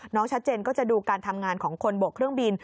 ชัดเจนก็จะดูการทำงานของคนบกเครื่องบิน